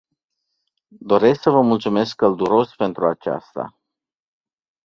Doresc să vă mulțumesc călduros pentru aceasta.